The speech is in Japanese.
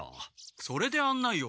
それで案内を？